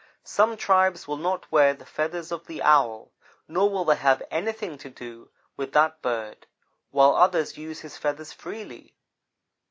Some tribes will not wear the feathers of the owl, nor will they have anything to do with that bird, while others use his feathers freely.